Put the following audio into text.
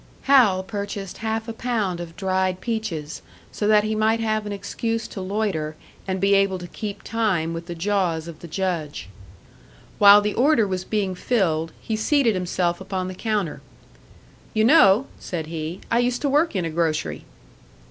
Hal purchased half a pound of dried peaches, so that he might have an excuse to loiter, and be able to keep time with the jaws of the Judge. While the order was being filled, he seated himself upon the counter. "You know," said he, "I used to work in a grocery."